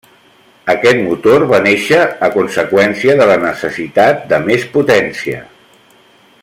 Aquest motor va nàixer a conseqüència de la necessitat de més potència.